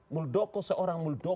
muldoko seorang muldoko